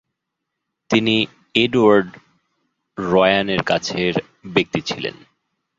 তিনি এডওয়ার্ড রয়ানের কাছের ব্যক্তি ছিলেন।